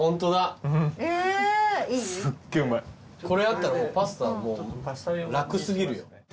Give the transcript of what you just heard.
これあったらもうパスタ楽過ぎるよ。